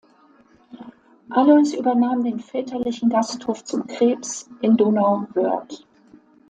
Alois übernahm den väterlichen Gasthof zum Krebs in Donauwörth.